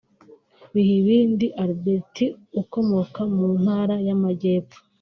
Bihibindi Albert ukomoka mu ntara y’Amajyepfo